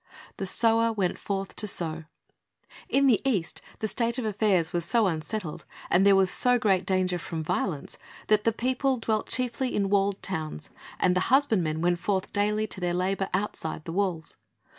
"The sower went forth to sow." ^ In the East the state of affairs was so unsettled, and there was so great danger from violence, that the people dwelt chiefly in walled towns, and the husbandmen went forth daily to their labor outside the walls.